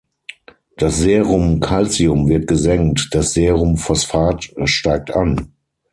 Das Serum-Calcium wird gesenkt, das Serum-Phosphat steigt an.